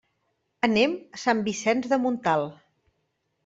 Anem a Sant Vicenç de Montalt.